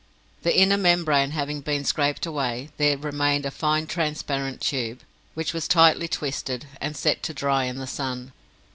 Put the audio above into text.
The inner membrane having been scraped away, there remained a fine transparent tube, which was tightly twisted, and set to dry in the sun.